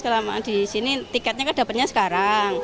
kalau di sini tiketnya dapatnya sekarang